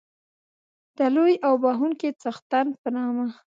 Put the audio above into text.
د لوی او بښوونکي څښتن په نامه.